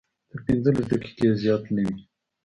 تر پنځلس دقیقې زیات نه وي.